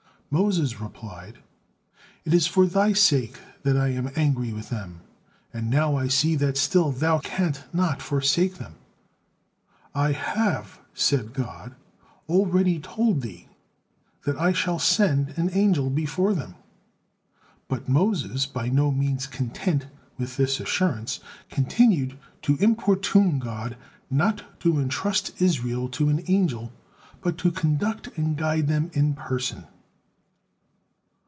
Moses replied: "It is for Thy sake that I am angry with them, and now I see that still Thou canst not forsake them." "I have," said God, "already told thee, that I shall send and angel before them." But Moses, by no means content with this assurance, continued to importune God not to entrust Israel to an angel, but to conduct and guide them in person.